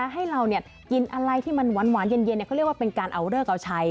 ให้เรากินอะไรที่มันหวานเย็นเขาเรียกว่าเป็นการเอาเลิกเอาใช้